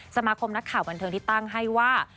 สมาคมนักข่าวบันเทิงที่ตั้งให้ว่า